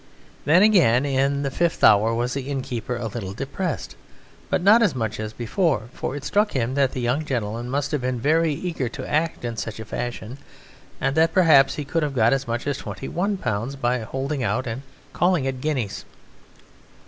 Then again, in the fifth hour was the innkeeper a little depressed, but not as much as before, for it struck him that the young gentleman must have been very eager to act in such a fashion, and that perhaps he could have got as much as twenty one pounds by holding out and calling it guineas.